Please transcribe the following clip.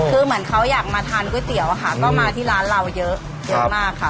คือเหมือนเขาอยากมาทานก๋วยเตี๋ยวอะค่ะก็มาที่ร้านเราเยอะเยอะมากค่ะ